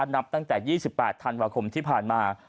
นับตั้งแต่๒๘ธันวาคมที่ผ่านมา